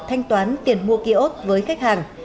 thanh toán tiền mua kiosk với khách hàng